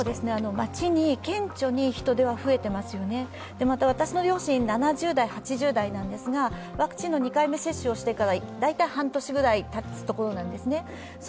町に顕著に人出は増えていますね、私の両親、７０代、８０代なんですが、ワクチンの２回目接種をしてから大体半年ぐらいたつところなんですね。